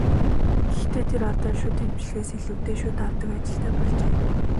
Гэхдээ тэр одоо шүд эмчлэхээс илүүтэй шүд авдаг ажилтай болжээ.